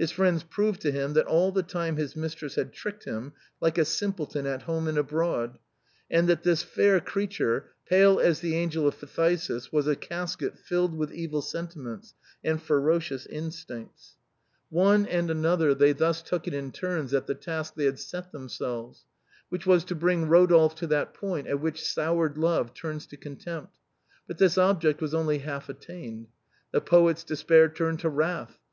His friends "proved" to him that all the time his mistress had tricked him like a simpleton at home and abroad, and that this fair creature, pale as the angel of phthisis, was a casket filled with evil sentiments and ferocious instincts. One and another they thus took it in turns at the task they had set themselves, which was to bring Rodolphe to that point at which soured love turns to contempt; but this object was only half attained. The poet's despair turned to wrath.